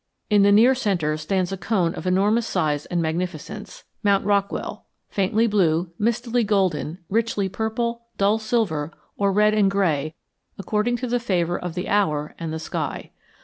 In the near centre stands a cone of enormous size and magnificence Mount Rockwell faintly blue, mistily golden, richly purple, dull silver, or red and gray, according to the favor of the hour and the sky.